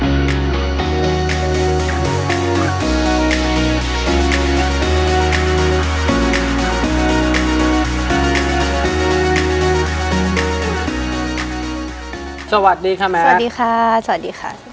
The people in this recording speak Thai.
สวัสดีค่ะแมทสวัสดีค่ะสวัสดีค่ะสวัสดีค่ะ